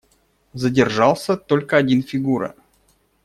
Задержался только один Фигура.